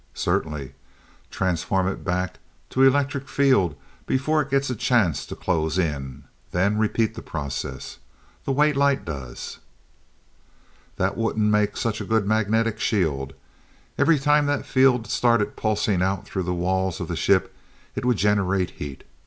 "Certainly. Transform it back to electric field before it gets a chance to close in, then repeat the process the way light does." "That wouldn't make such a good magnetic shield. Every time that field started pulsing out through the walls of the ship it would generate heat.